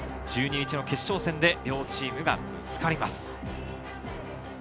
１２日の決勝戦で両チームがぶつかります。